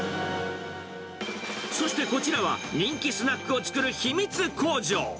そして、こちらは人気スナックを作る秘密工場。